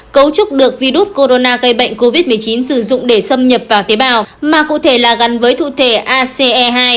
cấu trúc được virus corona gây bệnh covid một mươi chín sử dụng để xâm nhập vào tế bào mà cụ thể là gắn với thu thể ace hai